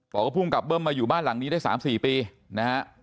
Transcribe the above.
ภูมิกับเบิ้มมาอยู่บ้านหลังนี้ได้๓๔ปีนะฮะ